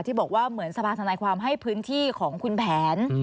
ที่บอกว่าเหมือนสภาธนายความให้พื้นที่ของคุณแผน